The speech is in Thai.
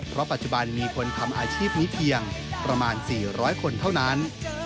เพราะปัจจุบันมีคนทำอาชีพนี้เพียงประมาณ๔๐๐คนเท่านั้น